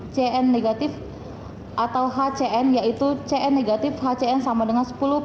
cn negatif atau hcn yaitu cn negatif hcn sama dengan sepuluh